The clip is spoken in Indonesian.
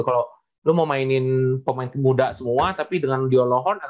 kalau lu mau mainin pemain muda semua tapi dengan dio lawon agak kurang cocok